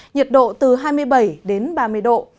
nhiệt độ từ hai mươi bảy đến ba mươi độ